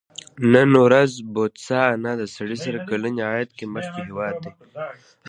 نن ورځ بوتسوانا د سړي سر کلني عاید کې مخکې هېواد دی.